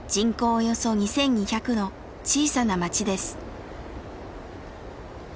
およそ２，２００の小さな町です。